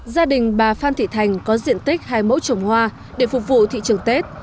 gia đình bà phan thị thành có diện tích hai mẫu trồng hoa để phục vụ thị trường tết